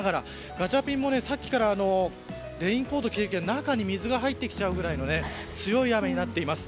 ガチャピンもさっきからレインコート着てるけど中に水が入ってきちゃうくらいの強い雨になっています。